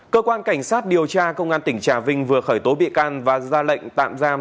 cơ quan cảnh sát điều tra công an tỉnh trà vinh vừa khởi tố bị can và ra lệnh tạm giam